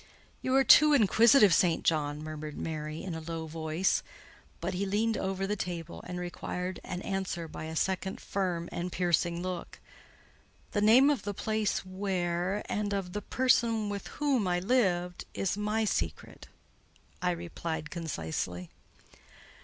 "You are too inquisitive, St. John," murmured Mary in a low voice; but he leaned over the table and required an answer by a second firm and piercing look. "The name of the place where, and of the person with whom I lived, is my secret," I replied concisely.